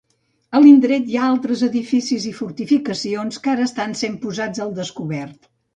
A l'indret hi ha d'altres edificis i fortificacions que ara estan sent posats al descobert.